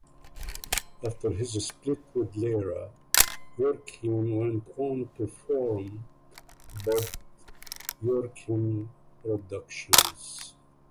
After his split with Lear, Yorkin went on to form Bud Yorkin Productions.